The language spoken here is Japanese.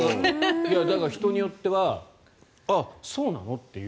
だから、人によってはそうなの？っていう。